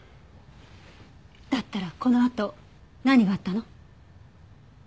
だったらこのあと何があったの？